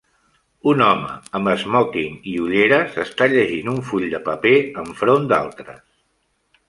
Un home amb esmòquing i ulleres està llegint un full de paper en front d'altres